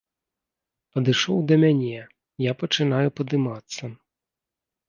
Падышоў да мяне, я пачынаю падымацца.